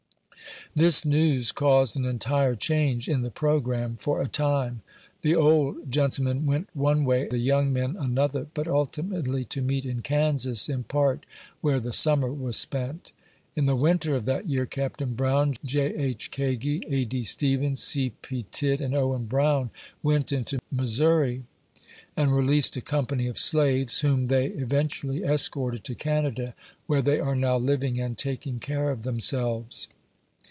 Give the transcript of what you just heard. ThiB news caused an entire change in the programme for a time. The old gentleman went one way, the young men another, but ultimately to meet in Kansas, in part, where the summer was spent. In the winter of that year, Capt. Brown, J. H. Kagi, A. D. Stevens, C. P. Tidd arid Owen Brown, went into Mis souri, and released a company of slaves, whom they eventu ally escorted to Canada, where they are now living and taking care of themselves.